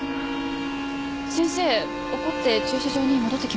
先生怒って駐車場に戻ってきました。